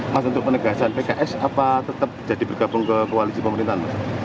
mas untuk penegasan pks apa tetap jadi bergabung ke koalisi pemerintahan mas